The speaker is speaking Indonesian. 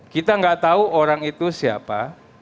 kita nggak tahu orang itu siapa